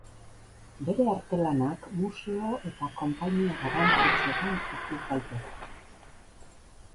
Bere artelanak museo eta konpainia garrantzitsuetan ikus daiteke.